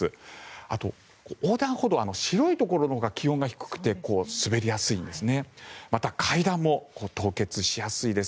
あと横断歩道白いところのほうが気温が低くて滑りやすいんですね。